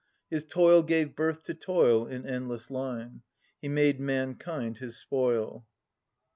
His toil gave birth to toil In endless line. He made mankind his spoil.